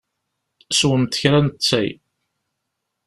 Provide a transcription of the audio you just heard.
Swemt kra n ttay.